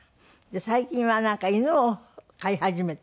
最近はなんか犬を飼い始めて？